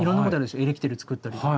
エレキテル作ったりとか。